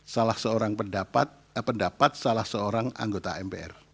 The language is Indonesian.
salah seorang pendapat salah seorang anggota mpr